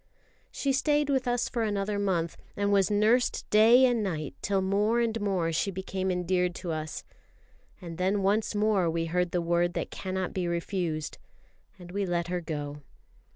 She stayed with us for another month, and was nursed day and night till more and more she became endeared to us; and then once more we heard the word that cannot be refused, and we let her go.